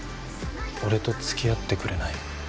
俺と付き合ってくれない？